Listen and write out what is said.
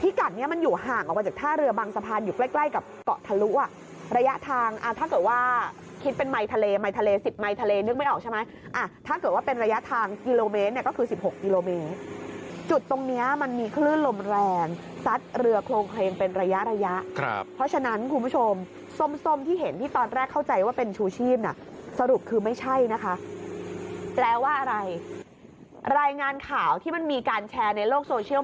ที่กัดเนี่ยมันอยู่ห่างออกจากท่าเรือบางสะพานอยู่ใกล้กับเกาะทะลุอ่ะระยะทางอ่ะถ้าเกิดว่าคิดเป็นไมทะเลไมทะเลสิบไมทะเลนึกไม่ออกใช่ไหมอ่ะถ้าเกิดว่าเป็นระยะทางกิโลเมตรเนี่ยก็คือสิบหกกิโลเมตรจุดตรงเนี่ยมันมีคลื่นลมแรงซัดเรือโครงเครงเป็นระยะเพราะฉะนั้นคุณผู้ชมสมที่เห็